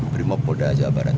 berimob polda jawa barat